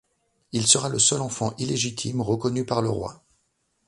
Il sera le seul enfant illégitime reconnu par le roi.